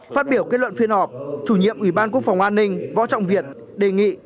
phát biểu kết luận phiên họp chủ nhiệm ủy ban quốc phòng an ninh võ trọng việt đề nghị